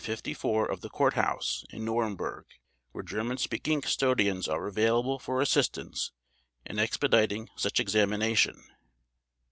54 of the Court House in Nuremberg where German speaking custodians are available for assistance in expediting such examination.